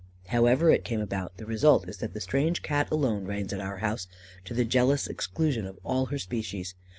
"However it came about, the result is that the strange Cat alone reigns at our house, to the jealous exclusion of all her species.